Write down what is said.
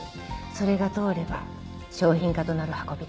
それが通れば商品化となる運びで。